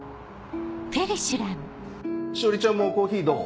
志織ちゃんもコーヒーどう？